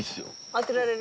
当てられる？